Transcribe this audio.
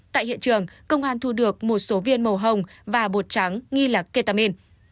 tại hiện trường công an thu được một số viên màu hồng và bột trắng nghi là ketamin